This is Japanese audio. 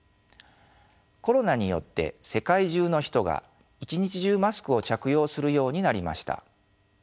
コロナによって世界中の人が一日中マスクを着用するようになりました。